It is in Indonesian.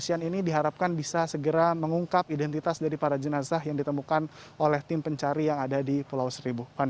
jadi nantinya tim dari kepolisian ini diharapkan bisa segera mengungkap identitas dari para jenazah yang ditemukan oleh tim pencari yang ada di pulau seribu